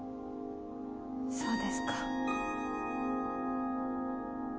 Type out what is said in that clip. そうですか。